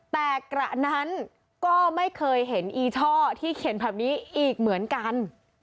แต่กระนั้นก็ไม่เคยเห็นอีช่อที่เขียนแบบนี้อีกเหมือนกัน